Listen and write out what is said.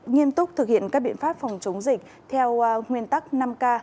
nghiêm túc thực hiện các biện pháp phòng chống dịch theo nguyên tắc năm k